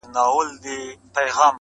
قصیدو ته ځان تیار کړ شاعرانو-